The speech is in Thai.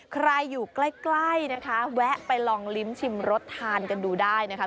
ใครอยู่ใกล้นะคะแวะไปลองลิ้มชิมรสทานกันดูได้นะคะ